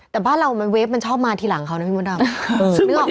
แต่พระเรามันเวฟมันชอบมาทีหลังเขาน่ะพี่พี่โมดำ